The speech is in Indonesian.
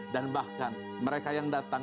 dan bahkan mereka yang datang